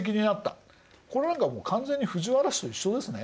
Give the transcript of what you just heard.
これなんかもう完全に藤原氏と一緒ですね。